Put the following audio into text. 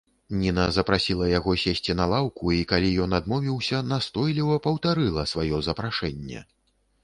Ніна запрасіла яго сесці на лаўку і, калі ён адмовіўся, настойліва паўтарыла сваё запрашэнне.